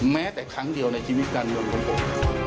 แม้แต่ครั้งเดียวในชีวิตการเมืองของผม